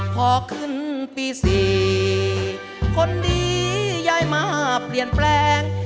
พอขึ้นปี๔คนดียายมาเปลี่ยนแปลง